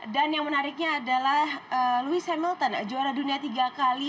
dan yang menariknya adalah lewis hamilton juara dunia tiga kali